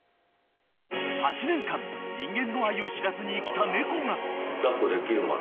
８年間、人間の愛を知らずに生きた猫が。